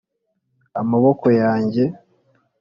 amaboko yanjye!